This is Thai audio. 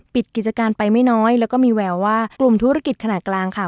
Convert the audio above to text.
ปิดกิจการไปไม่น้อยแล้วก็มีแววว่ากลุ่มธุรกิจขนาดกลางค่ะ